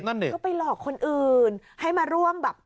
ก็ไปหลอกคนอื่นให้มาร่วมแบบ